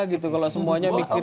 menurutmu itu semuanya mikir